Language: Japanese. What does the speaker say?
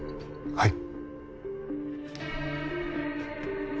はい。